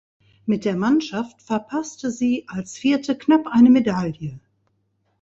Mit der Mannschaft verpasste sie als Vierte knapp eine Medaille.